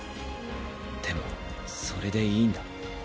でもそれでいいんだ。